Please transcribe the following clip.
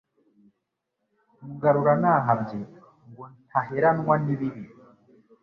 Ungarura nahabye ngo ntaheranwa ni ibibi